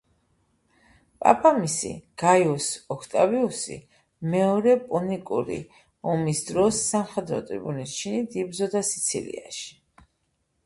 პაპამისი, გაიუს ოქტავიუსი, მეორე პუნიკური ომის დროს, სამხედრო ტრიბუნის ჩინით იბრძოდა სიცილიაში.